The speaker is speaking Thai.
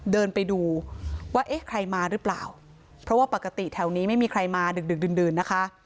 เดินไปดูว่าเอ๊ะใครมาหรือเปล่าเพราะว่าปกติแถวนี้ไม่มีใครมาดึกดึกดื่นนะคะ